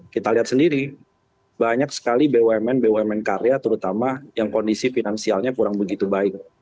kita lihat sendiri banyak sekali bumn bumn karya terutama yang kondisi finansialnya kurang begitu baik